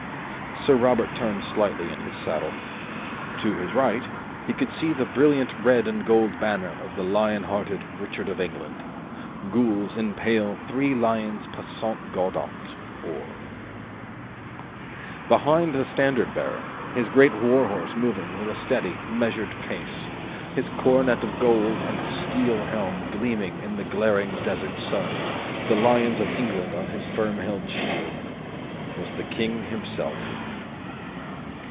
Sir Robert turned slightly in his saddle. To his right, he could see the brilliant red and gold banner of the lion hearted Richard of England gules, in pale three lions passant guardant or. Behind the standard bearer, his great war horse moving with a steady, measured pace, his coronet of gold on his steel helm gleaming in the glaring desert sun, the lions of England on his firm held shield, was the King himself.